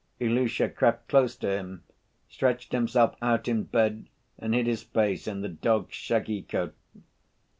Ilusha crept close to him, stretched himself out in bed and hid his face in the dog's shaggy coat.